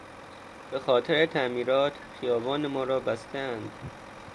به خاطر تعمیرات، خیابان ما را بستهاند.